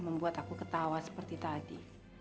membuat aku ketawa seperti tadi